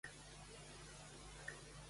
l'any passat els coquets van tenir molt d'èxit